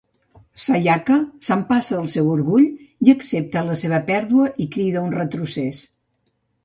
Sayaka s'empassa el seu orgull i accepta la seva pèrdua i crida un retrocés.